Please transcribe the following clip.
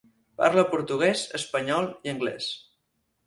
Parla portuguès, espanyol i anglès.